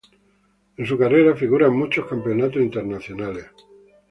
En su carrera figuran muchos campeonatos internacionales.